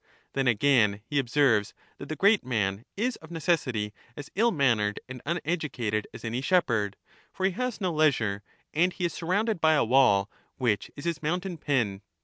Then, again, he observes that the great man is of necessity as ill mannered and uneducated as any shepherd — for he has no leisure, and he is surrounded by a wall, which is his mountain pen.